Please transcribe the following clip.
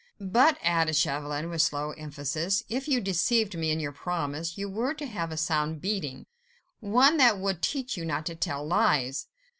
"But," added Chauvelin, with slow emphasis, "if you deceived me in your promise, you were to have a sound beating, one that would teach you not to tell lies."